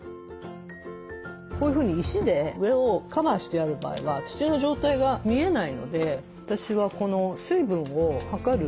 こういうふうに石で上をカバーしてある場合は土の状態が見えないので私はこの水分を測る